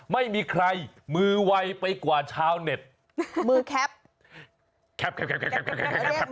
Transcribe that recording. ไม่มีใครมือวัยไปกว่าชาวเน็ตมือแคปแคปแคปแคปแคปแคป